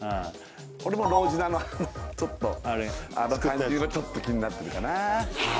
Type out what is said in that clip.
俺もロージナのあの感じのちょっと気になってるかなは